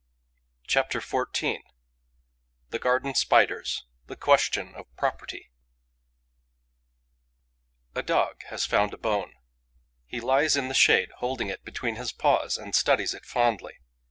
CHAPTER XIV: THE GARDEN SPIDERS: THE QUESTION OF PROPERTY A dog has found a bone. He lies in the shade, holding it between his paws, and studies it fondly.